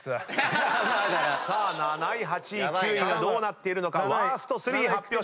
７位８位９位はどうなっているのかワースト３発表します。